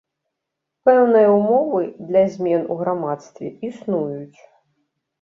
Пэўныя ўмовы для змен у грамадстве існуюць.